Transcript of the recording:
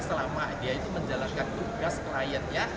selama dia itu menjalankan tugas kliennya